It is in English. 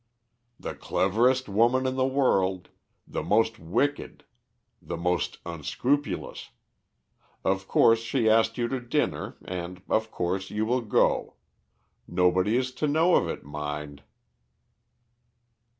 "The cleverest woman in the world, the most wicked, the most unscrupulous. Of course she asked you to dinner, and, of course, you will go. Nobody is to know of it, mind."